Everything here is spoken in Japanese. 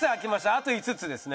あと５つですね。